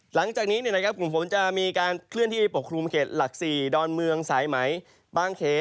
หลังจากนี้เนี่ยนะครับขุมฝนจะมีการเคลื่อนที่ผดครืมเข็คหลักสี่ดอนเมืองสายไหมบางเข